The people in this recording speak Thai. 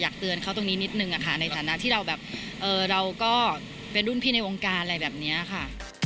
เตือนเขาตรงนี้นิดนึงค่ะในฐานะที่เราแบบเราก็เป็นรุ่นพี่ในวงการอะไรแบบนี้ค่ะ